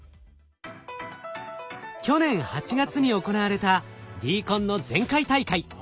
去年８月に行われたＤＣＯＮの前回大会。